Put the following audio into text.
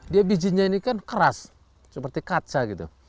dia bijinya ini kan keras seperti kaca gitu